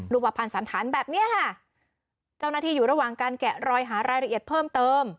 ภัณฑ์สันธารแบบเนี้ยค่ะเจ้าหน้าที่อยู่ระหว่างการแกะรอยหารายละเอียดเพิ่มเติม